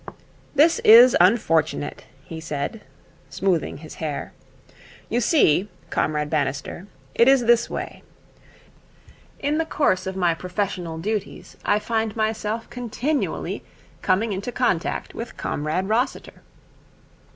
'This is unfortunate,' he said, smoothing his hair. 'You see, Comrade Bannister, it is this way. In the course of my professional duties, I find myself continually coming into contact with Comrade Rossiter.'